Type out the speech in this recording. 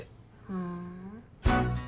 ふん。